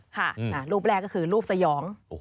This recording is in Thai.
รูปแรกก็คือรูปสยอง